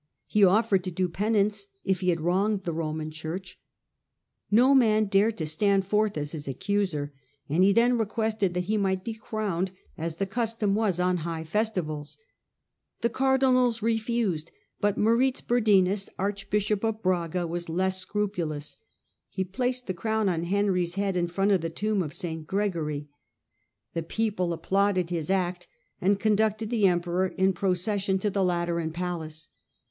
He offered to do penance, if he had wronged the Roman Church. No man dared to stand forth as his accuser, and he then requested that he might be crowned, as the custom His corona ^^^^ ^^S^ festivals. The cardinals refused, wchbuhop ^^* Moritz Burdinus, archbishop of Braga, of Braga ^g^ j^gg flcrupulous *. he placcd the crown on Henry's head in front of the tomb of St. Gregory. The Digitized by VjOOQIC 202 HiLDEBHAND people applauded his act, and conducted the emperor in procession to the Lateran palace.